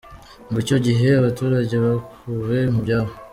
Ngo icyo gihe abaturage bakuwe mu byabo.